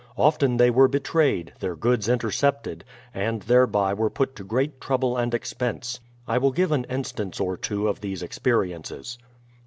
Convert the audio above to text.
Often they were betrayed, their goods intercepted, and thereby were put to great trouble and expense. I will give an instance or two of these experiences.